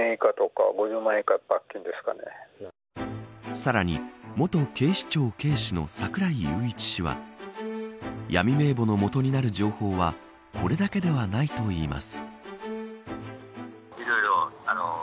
さらに元警視庁軽視の櫻井裕一氏は闇名簿の基になる情報はこれだけではないといいます。